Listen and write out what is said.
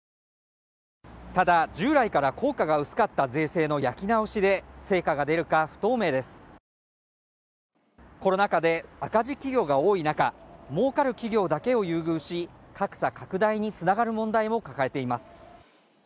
ただ従来から効果が薄かった税制の焼き直しで成果が出るかは不透明ですコロナ禍で赤字企業が多い中儲かる企業だけを優遇し格差拡大につながる問題を抱えています